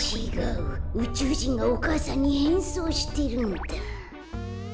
うちゅうじんがお母さんにへんそうしてるんだ。